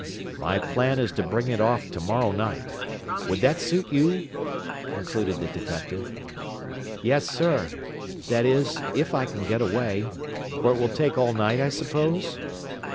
"My plan is to bring it off to morrow night. Would that suit you?" concluded the detective. "Yes, sir. That is, if I can get away. For it will take all night, I suppose?"